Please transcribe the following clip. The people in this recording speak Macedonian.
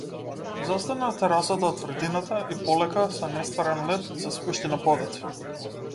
Застана на терасата од тврдината и полека, со нестварен лет се спушти на подот.